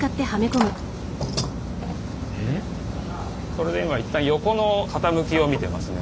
これで今一旦横の傾きを見てますね。